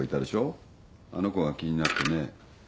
あの子が気になってね。